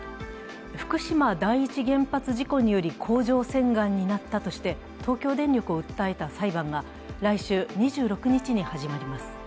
福島第一原発事故により甲状腺がんになったとして東京電力を訴えた裁判が来週２６日に始まります。